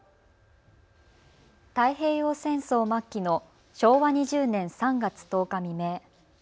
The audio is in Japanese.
太平洋戦争末期の昭和２０年３月１０日未明。